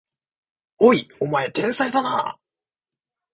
おい、お前天才だな！